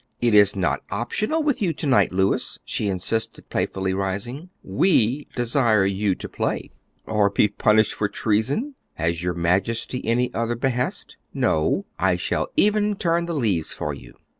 "It is not optional with you to night, Louis," she insisted playfully, rising; "we desire you to play." "Or be punished for treason? Has your Majesty any other behest?" "No; I shall even turn the leaves for you."